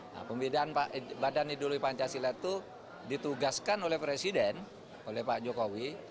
nah pembinaan badan ideologi pancasila itu ditugaskan oleh presiden oleh pak jokowi